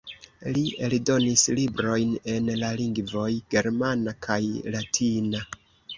Li eldonis librojn en la lingvoj germana kaj latina.